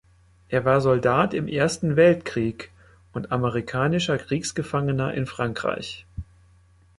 Er war Soldat im Ersten Weltkrieg und amerikanischer Kriegsgefangener in Frankreich.